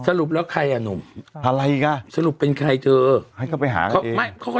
สรุปแล้วใครอ่ะหนุ่มอะไรอ่ะสรุปเป็นใครเธอให้เขาไปหาเขาไม่เขาก็